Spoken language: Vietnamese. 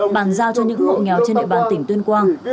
bàn giao cho những hộ nghèo trên địa bàn tỉnh tuyên quang